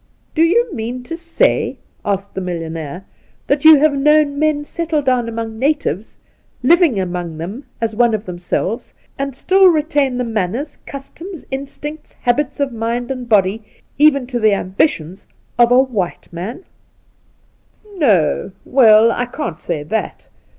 ' Do you mean to say,' asked the millionaire, ' that you have known men settle down among natives, living among them as one of themselves, and still retain the manners, customs, instincts, habits of mind and body, even to the ambitions, of a white man V 12 The Outspan ' No — well, I cau't quite say that.